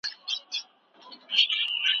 څه وخت دولتي شرکتونه غوښه هیواد ته راوړي؟